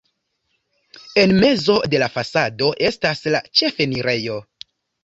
En mezo de la fasado estas la ĉefenirejo.